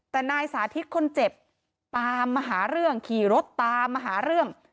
แต่นายสาธิตคนเจ็บตามมาหาเรื่องขี่รถตามมาหาเรื่อง